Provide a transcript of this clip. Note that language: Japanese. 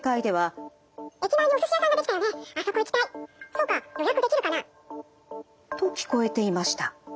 「そうか予約できるかな」。と聞こえていました。